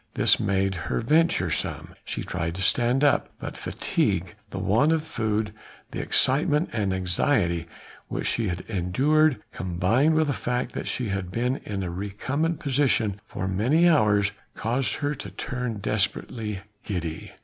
This made her venturesome. She tried to stand up; but fatigue, the want of food, the excitement and anxiety which she had endured, combined with the fact that she had been in a recumbent position for many hours, caused her to turn desperately giddy.